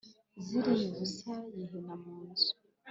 yiyiriza ubusa yihina mu nzu